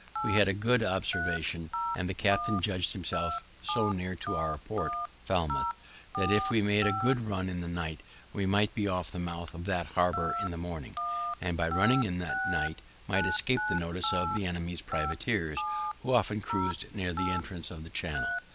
We had a good observation, and the captain judg'd himself so near our port, Falmouth, that, if we made a good run in the night, we might be off the mouth of that harbor in the morning, and by running in the night might escape the notice of the enemy's privateers, who often cruis'd near the entrance of the channel.